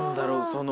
その。